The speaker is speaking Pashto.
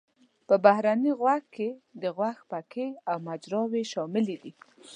په بهرني غوږ کې د غوږ پکې او مجراوې شاملې دي.